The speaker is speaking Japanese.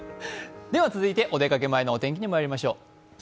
続いて、お出かけ前のお天気にまいりましょう。